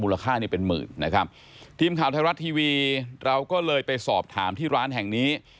ค่านี้เป็นหมื่นนะครับทีมข่าวไทยรัฐทีวีเราก็เลยไปสอบถามที่ร้านแห่งนี้